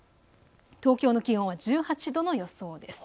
東京の気温は１８度の予想です。